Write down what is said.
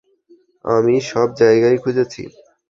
আমি সব জায়গায় খুজেছি।